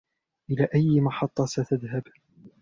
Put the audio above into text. إلى أي محطة ستذهب ؟